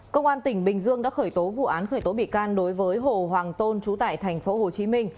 công an tỉnh bình dương đã khởi tố vụ án khởi tố bị can đối với hồ hoàng tôn trú tại tp hcm